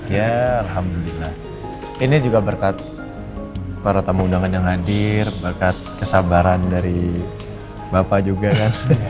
ya alhamdulillah ini juga berkat para tamu undangan yang hadir berkat kesabaran dari bapak juga kan